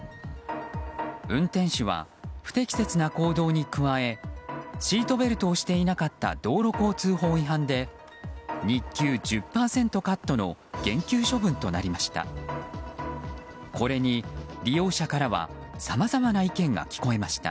運転手は、不適切な行動に加えシートベルトをしていなかった道路交通法違反で日給１０％カットの減給処分となりました。